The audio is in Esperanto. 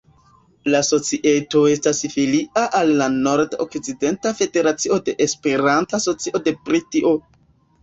La societo estas filia al la Nord-Okcidenta Federacio de Esperanto-Asocio de Britio.